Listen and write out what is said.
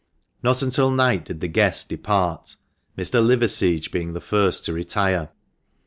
Not until night did the guests depart, Mr. Liverseege being the first to retire.